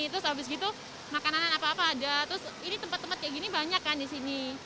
terus abis itu makanan apa apa ada terus ini tempat tempat kayak gini banyak kan disini